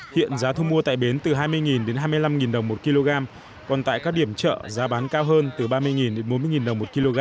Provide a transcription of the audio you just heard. hiện giá thu mua tại bến từ hai mươi đến hai mươi năm đồng một kg còn tại các điểm chợ giá bán cao hơn từ ba mươi đến bốn mươi đồng một kg